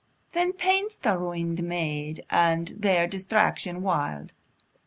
Then paints the ruin'd maid, and their distraction wild?